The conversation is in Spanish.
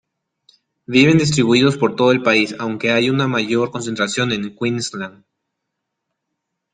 Viven distribuidos por todo el país, aunque hay una mayor concentración en Queensland.